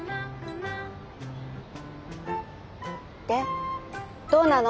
でどうなの？